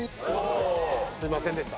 すみませんでした。